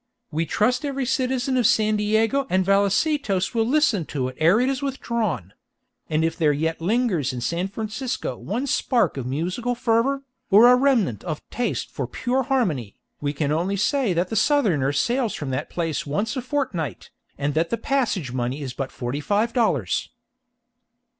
We trust every citizen of San Diego and Vallecetos will listen to it ere it is withdrawn; and if there yet lingers in San Francisco one spark of musical fervor, or a remnant of taste for pure harmony, we can only say that the Southerner sails from that place once a fortnight, and that the passage money is but forty five dollars.